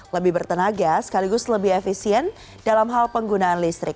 lebih bertenaga sekaligus lebih efisien dalam hal penggunaan listrik